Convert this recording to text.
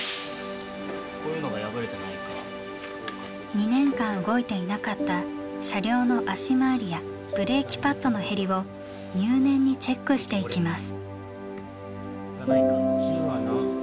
２年間動いていなかった車両の足回りやブレーキパッドの減りを入念にチェックしていきます。